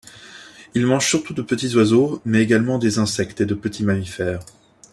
Il mange surtout de petits oiseaux, mais également des insectes et de petits mammifères.